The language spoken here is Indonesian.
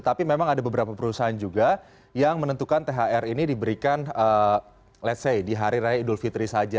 tapi memang ada beberapa perusahaan juga yang menentukan thr ini diberikan ⁇ lets ⁇ say di hari raya idul fitri saja